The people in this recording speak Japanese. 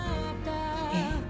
えっ？